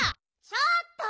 ちょっと！